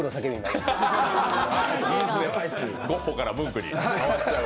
いいですね、ゴッホからムンクに変わっちゃう？